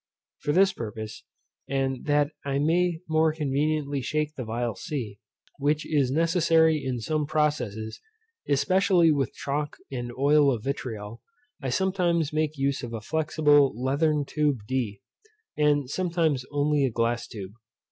For this purpose, and that I may more conveniently shake the phial c, which is necessary in some processes, especially with chalk and oil of vitriol, I sometimes make use of a flexible leathern tube d, and sometimes only a glass tube.